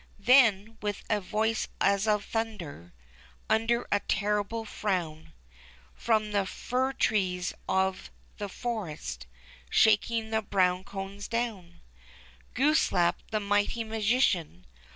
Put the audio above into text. Then, with a voice as of thunder. Under a terrible frown — From the fir trees of the forest Shaking the brown cones down — Glooskap, the mighty magician.